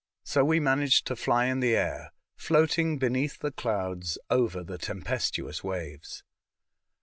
So we managed to fly in the air, floating beneath the clouds over the tempestuous waves.